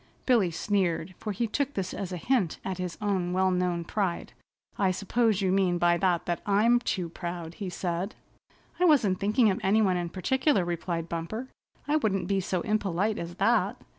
Billy sneered, for he took this as a hint at his own well known pride. "I suppose you mean by that I'm too proud," he said. "I wasn't thinking of any one in particular," replied Bumper. "I wouldn't be so impolite as that."